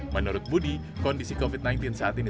menurut budi kondisi covid sembilan belas saat ini